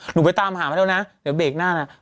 หนูไปตามหามาแล้วนะเดี๋ยวเบรกหน้านะ